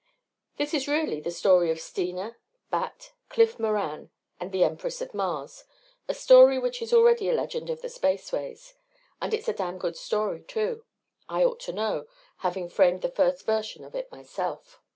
This is really the story of Steena, Bat, Cliff Moran and the Empress of Mars, a story which is already a legend of the spaceways. And it's a damn good story too. I ought to know, having framed the first version of it myself.